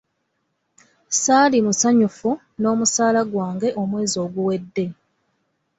Saali musanyufu n'omusaala gwange omwezi oguwedde.